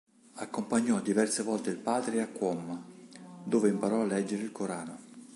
Accompagnò diverse volte il padre a Qom dove imparò a leggere il Corano.